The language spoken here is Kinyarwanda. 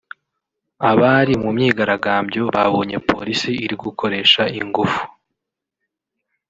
Abari mu myigaragambyo babonye Polisi iri gukoresha ingufu